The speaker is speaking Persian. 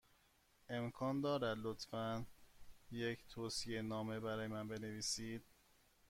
امکان دارد، لطفا، یک توصیه نامه برای من بنویسید؟